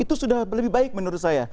itu sudah lebih baik menurut saya